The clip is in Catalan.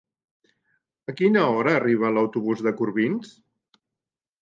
A quina hora arriba l'autobús de Corbins?